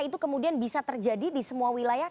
itu kemudian bisa terjadi di semua wilayah